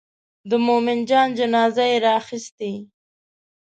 د مومن جان جنازه یې راخیستې.